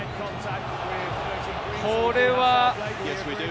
これは。